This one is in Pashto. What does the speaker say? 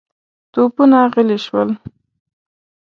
توپونه غلي شول.